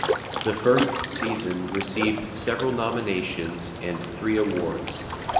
The first season received several nominations and three awards.